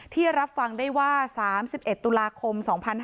ที่รับฟังได้ว่า๓๑ตุลาคม๒๕๕๙